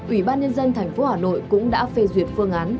ủy ban nhân dân thành phố hà nội cũng đã phê duyệt phương án